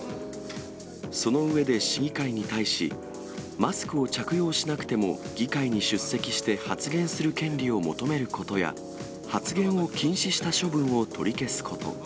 その上で市議会に対し、マスクを着用しなくても議会に出席して発言する権利を求めることや、発言を禁止した処分を取り消すこと。